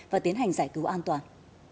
và tiến hành giải cứu an toàn